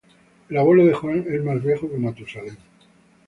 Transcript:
El abuelo de Juan es más viejo que Matusalén